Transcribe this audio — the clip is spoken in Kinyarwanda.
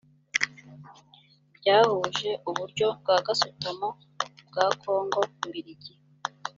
ryahuje uburyo bwa gasutamo bwa kongo mbirigi